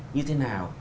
như thế nào